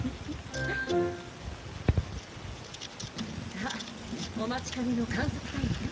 さあお待ちかねの観測タイムよ